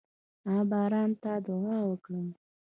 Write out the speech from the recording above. هغه باران ته دعا وکړه.